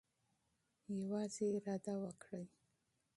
یوازې اراده وکړئ.